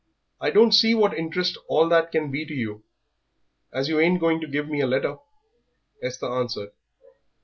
"I don't see what interest all that can be to you, as you ain't going to give me a letter," Esther answered.